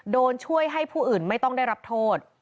โดนช่วยให้ผู้อื่นไม่ต้องได้รับโทษ